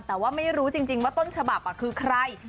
แต่ว่าไม่รู้จริงว่าต้นฉบับคือใคร